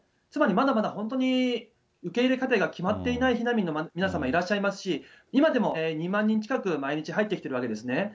つまり、まだまだ本当に、受け入れ家庭が決まっていない避難民の皆さんがいらっしゃいますし、今でも２万人近く、毎日入ってきてるわけですね。